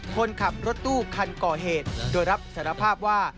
คนขับรถตู้คันก่อเหตุโดยรับสารภาพว่า